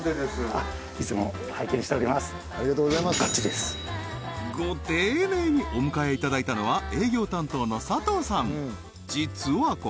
ですご丁寧にお迎えいただいたのは営業担当の佐藤さん